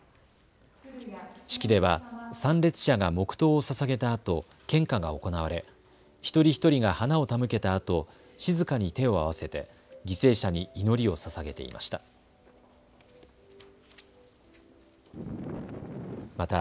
式では参列者が黙とうをささげたあと、献花が行われ、一人一人が花を手向けたあと静かに手を合わせて犠牲者に祈りをささげていました。